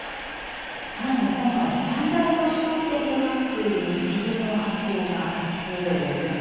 さらに、今回最大の焦点となっている日銀の発表が明日ですね。